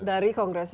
dari kongres ini